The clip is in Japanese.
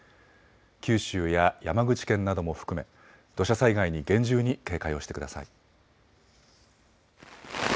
九州や山口県なども含め土砂災害に厳重に警戒をしてください。